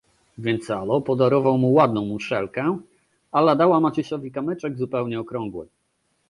"Więc Alo podarował mu ładną muszelkę, Ala dała Maciusiowi kamyczek zupełnie okrągły."